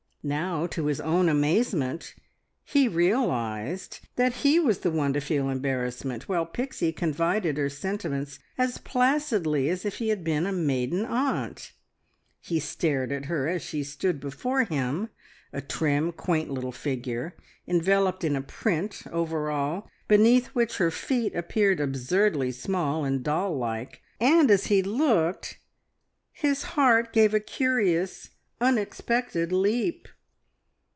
Now, to his own amazement, he realised that he was the one to feel embarrassment, while Pixie confided her sentiments as placidly as if he had been a maiden aunt. He stared at her as she stood before him, a trim, quaint little figure enveloped in a print overall, beneath which her feet appeared absurdly small and doll like, and as he looked his heart gave a curious, unexpected leap.